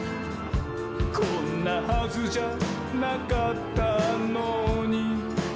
「こんなはずじゃなかったのに」